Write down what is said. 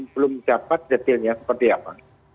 belum dapat detailnya seperti apa